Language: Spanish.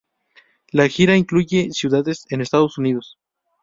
La gira incluye ciudades en Estados Unidos.